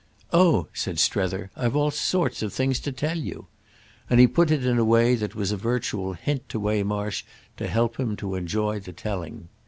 "Oh," said Strether, "I've all sorts of things to tell you!"—and he put it in a way that was a virtual hint to Waymarsh to help him to enjoy the telling.